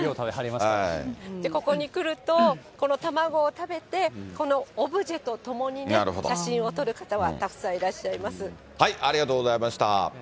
ここに来ると、この卵を食べて、このオブジェとともに写真を撮る方がたくさんいらっしゃいまありがとうございました。